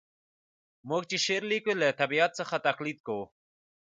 موږ چي شعر لیکو له طبیعت څخه تقلید کوو.